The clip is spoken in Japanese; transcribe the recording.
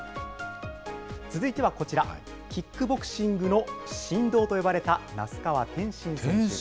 続いてはこちら、キックボクシングの神童と呼ばれた那須川天心選手です。